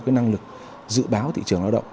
cái năng lực dự báo thị trường lao động